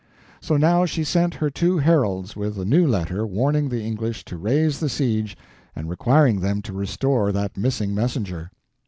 So now she sent her two heralds with a new letter warning the English to raise the siege and requiring them to restore that missing messenger.